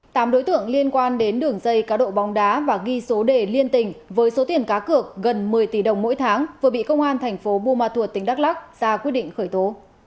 tám đối tượng liên quan đến đường dây cá độ bóng đá và ghi số đề liên tình với số tiền cá cược gần một mươi tỷ đồng mỗi tháng vừa bị công an thành phố buôn ma thuột tỉnh đắk lắc ra quyết định khởi tố